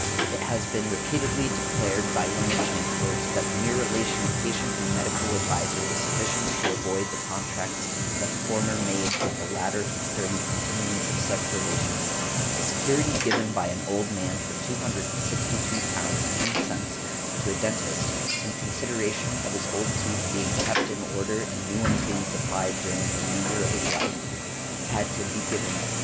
It has been repeatedly declared by learned chancellors that the mere relation of patient and medical adviser was sufficient to avoid the contracts of the former made with the latter during the continuance of such relation" . A security given by an old man for £262 10_s._ to a dentist, in consideration of his old teeth being kept in order and new ones being supplied during the remainder of his life, had to be given up .